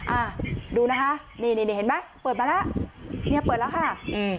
อ่าดูนะคะนี่นี่เห็นไหมเปิดมาแล้วเนี่ยเปิดแล้วค่ะอืม